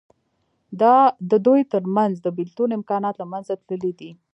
د دوی تر منځ د بېلتون امکانات له منځه تللي دي.